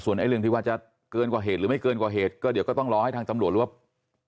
เรื่องที่ว่าจะเกินกว่าเหตุหรือไม่เกินกว่าเหตุก็เดี๋ยวก็ต้องรอให้ทางตำรวจหรือว่า